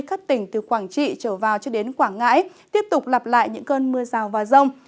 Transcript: các tỉnh từ quảng trị trở vào cho đến quảng ngãi tiếp tục lặp lại những cơn mưa rào và rông